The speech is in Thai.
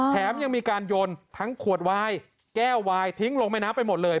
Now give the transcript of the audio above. แถมยังมีการโยนทั้งขวดวายแก้ววายทิ้งลงแม่น้ำไปหมดเลย